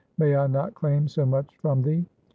May I not claim so much from thee ?